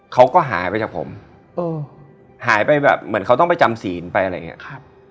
เขาก็หายไปจากผมหายไปแบบเหมือนเขาต้องไปจำศีลไปอะไรอย่างเงี้ครับ